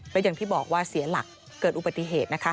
ก็อย่างที่บอกว่าเสียหลักเกิดอุบัติเหตุนะคะ